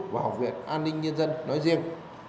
và học viện an ninh nhân dân nói riêng